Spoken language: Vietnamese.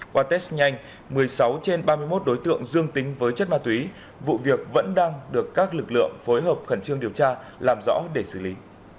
qua test nhanh một mươi sáu trên ba mươi một đối tượng dương tính với chất ma túy vụ việc vẫn đang được các lực lượng phối hợp khẩn trương điều tra làm rõ để xử lý